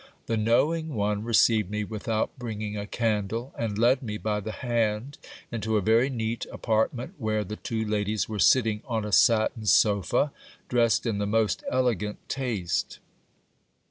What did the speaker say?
The knowing one received me without bringing a candle, and led me by the hand into a very neat apart ment, where the two ladies were sitting on a satin sofa, dressed in the most elegant taste.